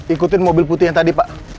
ikutin mobil putih yang tadi pak